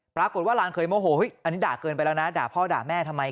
ปรากฏว่าหลานเคยโมโหอันนี้ด่าเกินไปแล้วนะด่าพ่อด่าแม่ทำไม